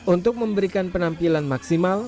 untuk memberikan penampilan maksimal